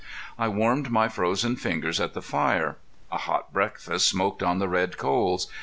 I warmed my frozen fingers at the fire. A hot breakfast smoked on the red coals.